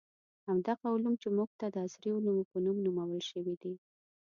همدغه علوم چې موږ ته د عصري علومو په نوم نومول شوي دي.